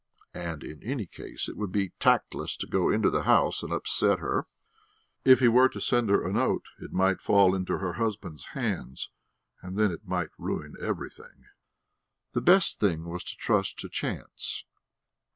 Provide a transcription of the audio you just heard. And in any case it would be tactless to go into the house and upset her. If he were to send her a note it might fall into her husband's hands, and then it might ruin everything. The best thing was to trust to chance.